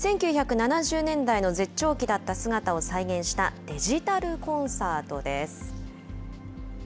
１９７０年代の絶頂期だった姿を再現したデジタルコンサートです。